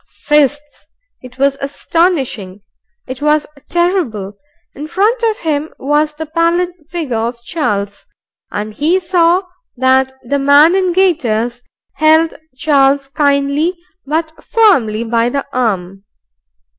Fists! It was astonishing. It was terrible! In front of him was the pallid figure of Charles, and he saw that the man in gaiters held Charles kindly but firmly by the arm.